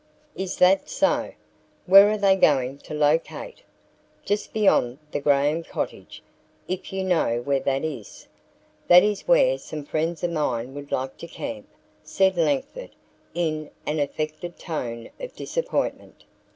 "Is that so? Where are they going to locate?" "Just beyond the Graham cottage, if you know where that is." "That is where some friends of mine would like to camp," said Langford in an affected tone of disappointment.